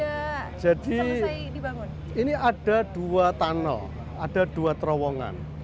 ya jadi ini ada dua tunnel ada dua terowongan